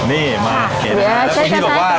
นี่มาพี่บอกว่า